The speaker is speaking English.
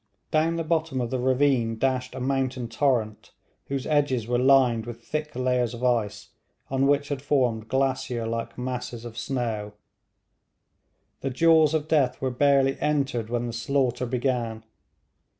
Down the bottom of the ravine dashed a mountain torrent, whose edges were lined with thick layers of ice, on which had formed glacier like masses of snow. The 'Jaws of Death' were barely entered when the slaughter began.